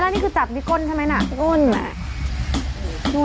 นี่คือจับที่ก้นใช่ไหมน่ะก้นน่ะ